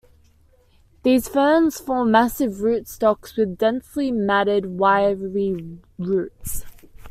These ferns form massive rootstocks with densely matted, wiry roots.